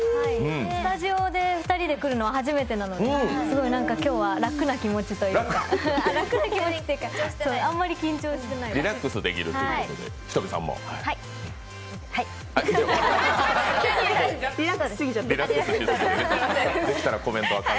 スタジオで２人で来るのは初めてなのですごい今日は楽な気持ちというか、あまり緊張してないです。